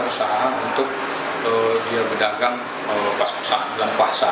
usaha untuk dia berdagang pas usaha